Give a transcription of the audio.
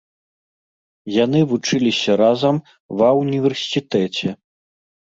Яны вучыліся разам ва ўніверсітэце.